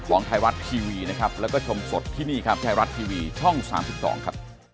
ก็ลองเปิดตามที่ผมพูดนะครับ